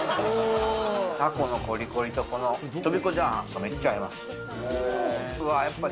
タコのこりこりとこのとびこチャーハン、めっちゃ合います。